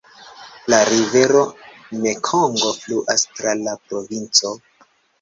La rivero Mekongo fluas tra la provinco.